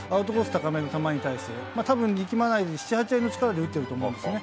高めの球に対して、たぶん、力まないで７、８割の力で打ってると思うんですね。